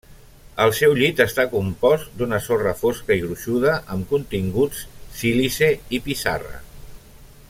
El seu llit està compost d'una sorra fosca i gruixuda amb continguts sílice i pissarra.